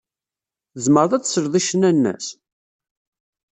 Tzemreḍ ad tesleḍ i ccna-nnes?